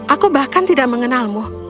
aku bahkan tidak mengenalmu